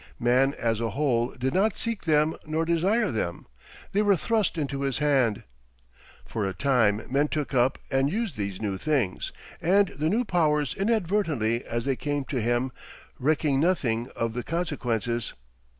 Man as a whole did not seek them nor desire them; they were thrust into his hand. For a time men took up and used these new things and the new powers inadvertently as they came to him, recking nothing of the consequences.